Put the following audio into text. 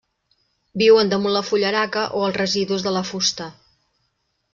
Viuen damunt la fullaraca o els residus de la fusta.